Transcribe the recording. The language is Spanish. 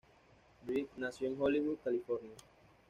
Brie nació en Hollywood, California.